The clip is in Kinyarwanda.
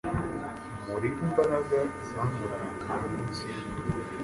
Muririre imbaraga zamuranze muminsi yubuto